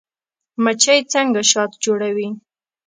مچۍ څنګه شات جوړوي؟